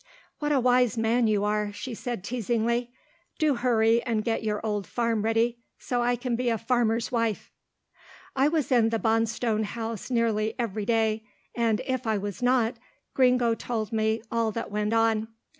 "What a wise man you are," she said teasingly. "Do hurry and get your old farm ready, so I can be a farmer's wife." I was in the Bonstone house nearly every day, and if I was not, Gringo told me all that went on.